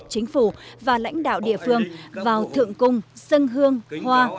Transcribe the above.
chính phủ và lãnh đạo địa phương vào thượng cung sân hương hoa